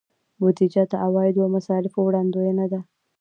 بودیجه د عوایدو او مصارفو وړاندوینه ده.